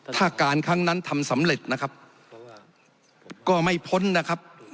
ถ้าการครั้งนั้นทำสำเร็จนะครับก็ไม่พ้นนะครับ